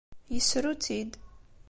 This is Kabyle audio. Yessru-tt-id.